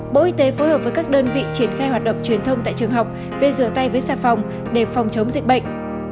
bộ y tế phối hợp với các đơn vị triển khai hoạt động truyền thông tại trường học về rửa tay với xà phòng để phòng chống dịch bệnh